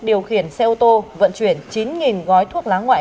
điều khiển xe ô tô vận chuyển chín gói thuốc lá ngoại